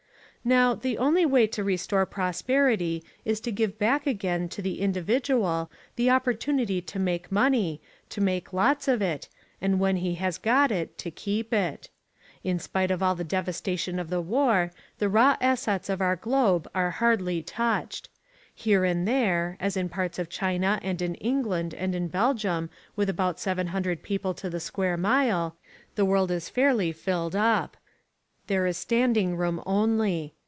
Now, the only way to restore prosperity is to give back again to the individual the opportunity to make money, to make lots of it, and when he has got it, to keep it. In spite of all the devastation of the war the raw assets of our globe are hardly touched. Here and there, as in parts of China and in England and in Belgium with about seven hundred people to the square mile, the world is fairly well filled up. There is standing room only.